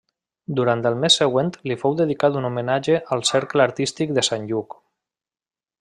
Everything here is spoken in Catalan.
Durant el mes següent li fou dedicat un homenatge al Cercle Artístic de Sant Lluc.